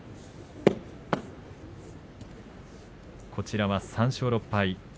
こちらは３勝６敗。